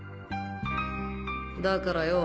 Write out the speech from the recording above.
だからよ